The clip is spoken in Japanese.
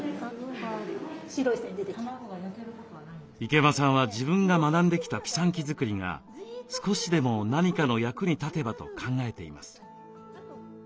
池間さんは自分が学んできたピサンキ作りが少しでも何かの役に立てばと考えています。